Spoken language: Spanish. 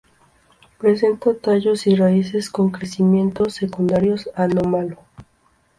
Presenta tallos y raíces con crecimiento secundario anómalo.